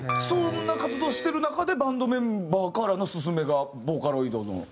そんな活動してる中でバンドメンバーからの薦めがボーカロイドの。